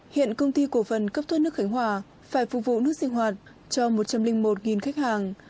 hiện công ty cổ phần cấp thoát nước khánh hòa phải phục vụ nước sinh hoạt cho một trăm linh một khách hàng